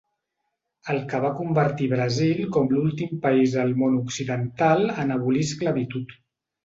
El que va convertir Brasil com l'últim país al món occidental en abolir esclavitud.